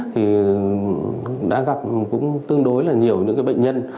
thì đã gặp cũng tương đối là nhiều những cái bệnh nhân